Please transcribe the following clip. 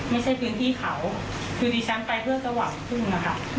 ไม่ใช่พื้นที่เขาคือดิฉันไปเพื่อจะหวังคุณค่ะ